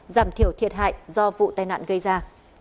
giảm thiểu thiệt hại do vụ tai nạn gây ra